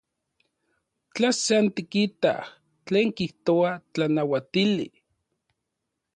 Tla san tikitaj tlen kijtoa tlanauatili.